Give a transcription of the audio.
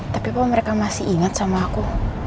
tapi kok mereka masih ingat sama aku